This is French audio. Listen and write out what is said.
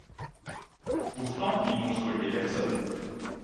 Pourtant, ils n’ont spolié personne.